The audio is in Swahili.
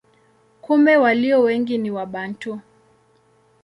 Kumbe walio wengi ni Wabantu.